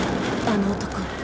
あの男